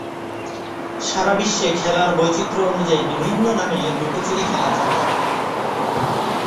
সারা বিশ্বে খেলার বৈচিত্র্য অনুযায়ী বিভিন্ন নামে লুকোচুরি খেলা চলে।